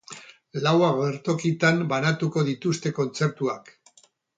Lau agertokitan banatuko dituzte kontzertuak.